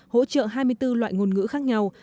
hỗ trợ hai mươi bốn loại ngôn ngữ khác nhau